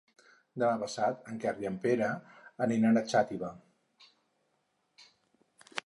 Demà passat en Quer i en Pere aniran a Xàtiva.